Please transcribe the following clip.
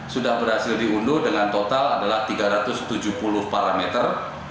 sudah berhasil diunduh dengan total adalah tiga ratus tujuh puluh parameter